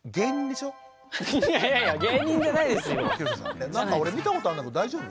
いやいやいやなんか俺見たことあんだけど大丈夫？